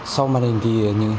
sau màn hình thì